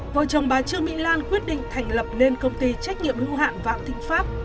vợ chồng bà chư mỹ lan quyết định thành lập nên công ty trách nhiệm lưu hạn vã tĩnh pháp